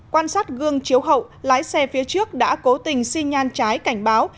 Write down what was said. quan sát gương chiếu hậu lái xe phía trước đã cố tình xi nhan trái cảnh báo